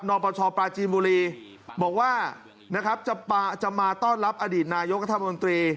นประชอปลาจีนบุรีบอกว่าจะมาต้อนรับอดีตนายกธรรมดรี